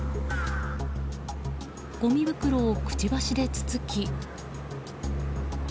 ごみ袋をくちばしでつつき。